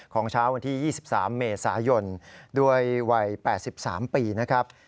เช้าวันที่๒๓เมษายนด้วยวัย๘๓ปีนะครับ